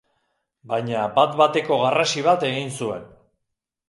Baina bat-bateko garrasi bat egin zuen.